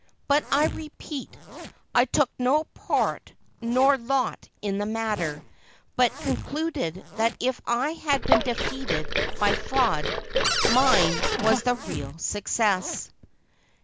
But, I repeat, I took no part nor lot in the matter, but concluded that if I had been defeated by fraud, mine was the real success.